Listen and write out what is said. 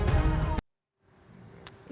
bin menyebutkan kemampuan untuk mengeksekusi